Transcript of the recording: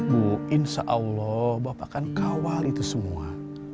bu insya allah bapak akan kawal itu semua